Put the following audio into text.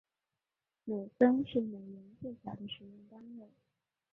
美分是美元最小的使用单位。